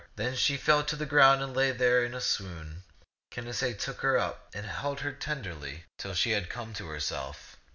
Then she fell to the ground and lay there in a swoon. Canacee took her up and held her tenderly 176 ti^t ^c\mxt'B taU till she had come to herself.